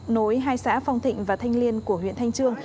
nối hai xã phong thịnh và thanh liên của huyện thanh trương